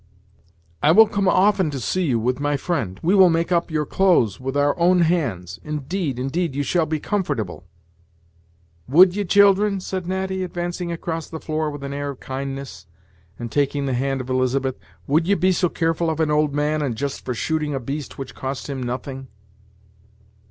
I will come often to see you, with my friend; we will make up your clothes with our own hands; indeed, indeed, you shall be comfortable." "Would ye, children?" said Natty, advancing across the floor with an air of kindness, and taking the hand of Elizabeth, "would ye be so kearful of an old man, and just for shooting a beast which cost him nothing?